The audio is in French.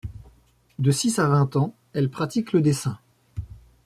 De six à vingt ans, elle pratique le dessin.